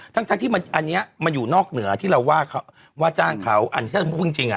ทั้งที่มันอันนี้มันอยู่นอกเหนือที่เราว่าจ้างเขาอันนี้ถ้าสมมุติจริงอ่ะ